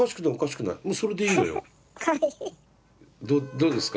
どうですか？